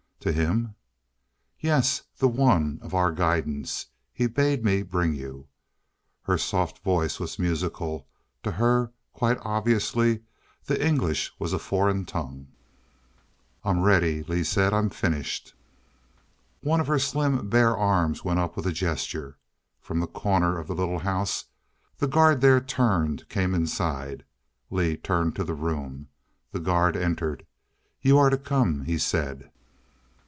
"To him?" "Yes. The One of Our Guidance. He bade me bring you." Her soft voice was musical; to her, quite obviously, the English was a foreign tongue. "I'm ready," Lee said. "I'm finished." One of her slim bare arms went up with a gesture. From the corner of the little house the guard there turned, came inside. Lee turned to the room. The guard entered. "You are to come," he said.